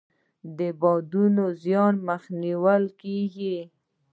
د بادونو د زیان مخه نیول کیږي.